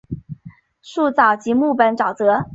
树沼即木本沼泽。